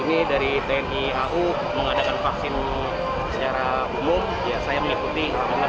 ini dari tni au mengadakan vaksin secara umum ya saya mengikuti amanat